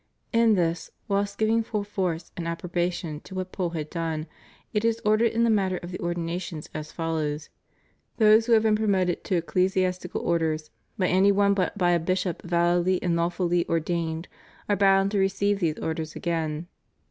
In this, whilst giving full force and approbation to what Pole had done, it is ordered in the matter of the Ordinations as follows: "Those who have been promoted to Ecclesiastical Orders ... by any one but by a bishop validly and lawfully ordained are bound to receive those Orders again."